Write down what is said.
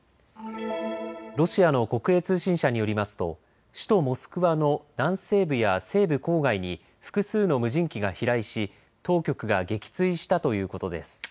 ロシアの国営通信社によりますと首都モスクワの南西部や西部郊外に複数の無人機が飛来し当局が撃墜したということです。